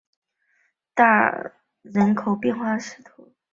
大穆尔默隆人口变化图示